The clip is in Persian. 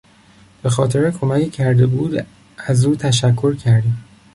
به خاطر کمکی که کرده بود از او تشکر کردیم.